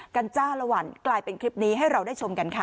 จ้าละวันกลายเป็นคลิปนี้ให้เราได้ชมกันค่ะ